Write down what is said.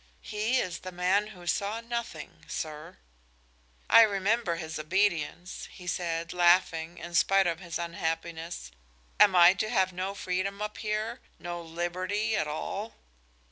"He is the man who saw nothing, sir." "I remember his obedience," he said, laughing in spite of his unhappiness. "Am I to have no freedom up here no liberty, at all?"